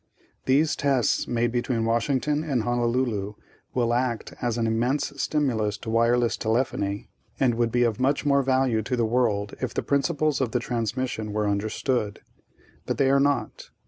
"These tests made between Washington and Honolulu will act as an immense stimulus to wireless telephony and would be of much more value to the world if the principles of the transmission were understood. But they are not.